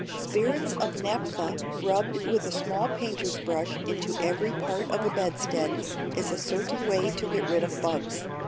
Spirits of naphtha rubbed with a small painter's brush into every part of a bedstead is a certain way of getting rid of bugs.